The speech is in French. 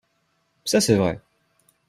Ça, c’est vrai.